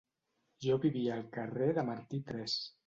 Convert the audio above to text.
Jo vivia al Carrer de Martí tres.